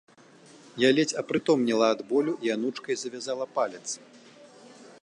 Я ледзь апрытомнела ад болю і анучкай завязала палец.